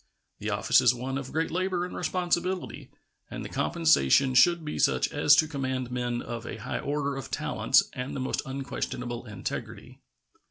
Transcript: The office is one of great labor and responsibility, and the compensation should be such as to command men of a high order of talents and the most unquestionable integrity.